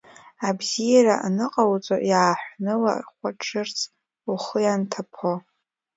Абзиара аныҟауҵо, иааҳәны, уахәаҽырц ухы ианҭаԥо?!